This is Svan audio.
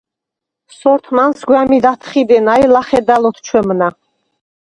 სორთმანს გვა̈მიდ ათხიდენა ი ლა̈ხედალ ოთჩვემნა.